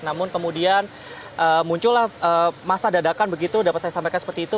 namun kemudian muncullah masa dadakan begitu dapat saya sampaikan seperti itu